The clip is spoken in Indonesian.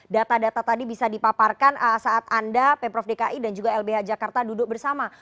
data data tadi bisa dipaparkan saat anda pemprov dki dan juga lbh jakarta duduk bersama